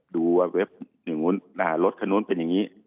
ดูว่ารถคันนู้นเป็นอย่างนี้